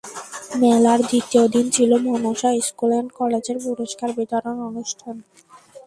মেলার দ্বিতীয় দিন ছিল মনসা স্কুল অ্যান্ড কলেজের পুরস্কার বিতরণ অনুষ্ঠান।